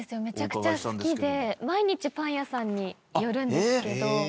めちゃくちゃ好きで毎日パン屋さんに寄るんですけど。